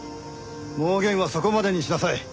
妄言はそこまでにしなさい。